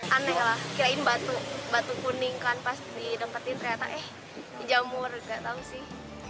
aneh lah kirain batu kuning kan pas di depetin ternyata eh jamur gak tau sih